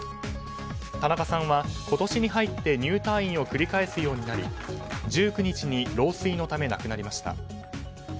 田中さんは今年に入って入退院を繰り返すようになり１９日に老衰のため亡くなりました。